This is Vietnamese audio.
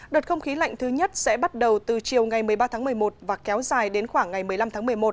đợt không khí lạnh thứ nhất sẽ bắt đầu từ chiều ngày một mươi ba tháng một mươi một và kéo dài đến khoảng ngày một mươi năm tháng một mươi một